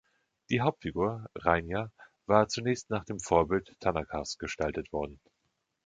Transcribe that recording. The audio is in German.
Die Hauptfigur, Reinya, war zunächst nach dem Vorbild Tanakas gestaltet worden.